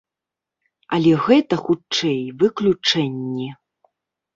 Але гэта, хутчэй, выключэнні.